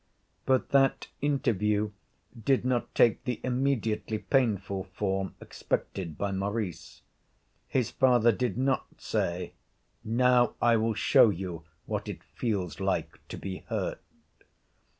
But that interview did not take the immediately painful form expected by Maurice. His father did not say, 'Now I will show you what it feels like to be hurt.'